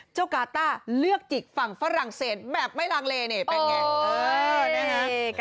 กาต้าเลือกจิกฝั่งฝรั่งเศสแบบไม่ลังเลนี่เป็นไง